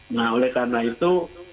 nah oleh karena itu